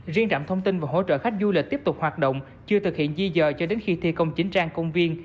riêng trạm thông tin và hỗ trợ khách du lịch tiếp tục hoạt động chưa thực hiện di dời cho đến khi thi công chính trang công viên